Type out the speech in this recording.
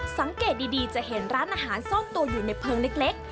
สังเกตดีจะเห็นร้านอาหารซ่อนตัวอยู่ในเพลิงเล็ก